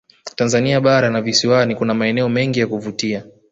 tanzania bara na visiwani kuna maeneo mengi ya kuvutia